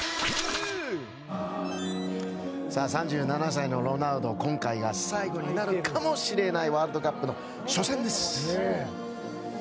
３７歳のロナウド今回が最後になるかもしれないワールドカップの初戦です。